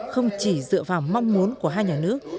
không chỉ dựa vào mong muốn của hai nhà nước